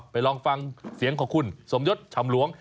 ลองฟังเสียงของคุณสมยศชำหลวง